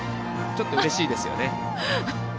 ちょっと、うれしいですよね。